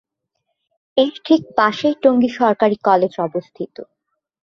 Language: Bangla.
এর ঠিক পাশেই টঙ্গী সরকারি কলেজ অবস্থিত।